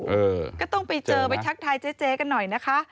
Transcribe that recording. เออก็ต้องไปเจอไปทักทายเจ๊เจ๊กันหน่อยนะคะ